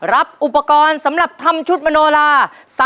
รับอุปกรณ์สำหรับทำชุดมโนลา